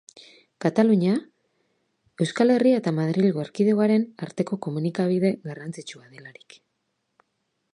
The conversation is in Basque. Katalunia, Euskal Herria eta Madrilgo Erkidegoaren arteko komunikabide garrantzitsua delarik.